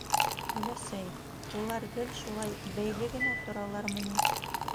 — Өләсәй, улар гел шулай бәйле генә торалармы ни?